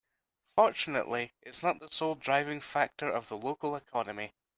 Fortunately its not the sole driving factor of the local economy.